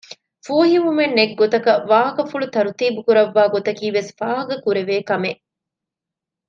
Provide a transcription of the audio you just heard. ފޫހިވުމެއް ނެތް ގޮތަކަށް ވާހަކަފުޅު ތަރުތީބު ކުރައްވާ ގޮތަކީ ވެސް ފާހަގަކުރެވޭ ކަމެއް